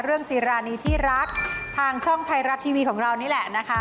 เรื่องศีรณีย์ที่รักทางช่องไทยรัตน์ทีวีของเรานี่แหละนะคะ